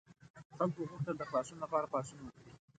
خلکو غوښتل د خلاصون لپاره پاڅون وکړي.